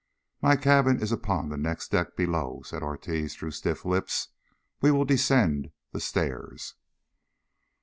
"My cabin is upon the next deck below," said Ortiz through stiff lips. "We we will descend the stairs."